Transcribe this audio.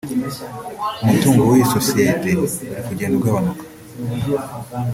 umutungo w’iyi sosiyete uri kugenda ugabanyuka